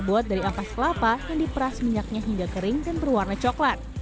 terbuat dari ampas kelapa yang diperas minyaknya hingga kering dan berwarna coklat